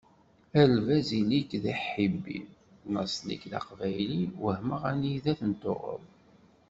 A lbaz ili-k d ihibi, laṣel-ik d aqbayli wehmeɣ anida i ten-tuɣeḍ?